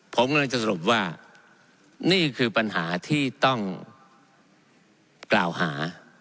ผมกำลังจะสรุปว่านี่คือปัญหาที่ต้องกล่าวหา